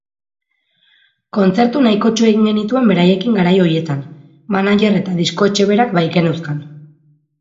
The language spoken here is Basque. Kontzertu nahikotxo egin genituen beraiekin garai horietan, manager eta diskoetxe berak baikeneuzkan.